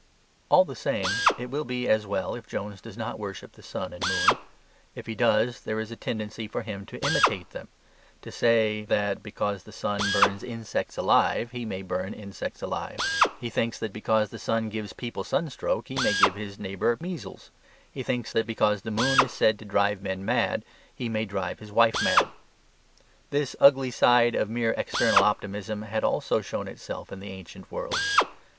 All the same, it will be as well if Jones does not worship the sun and moon. If he does, there is a tendency for him to imitate them; to say, that because the sun burns insects alive, he may burn insects alive. He thinks that because the sun gives people sun stroke, he may give his neighbour measles. He thinks that because the moon is said to drive men mad, he may drive his wife mad. This ugly side of mere external optimism had also shown itself in the ancient world.